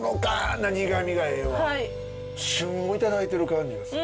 旬をいただいてる感じがする。